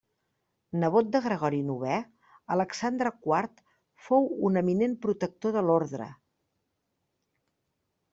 Nebot de Gregori novè, Alexandre quart fou un eminent protector de l'orde.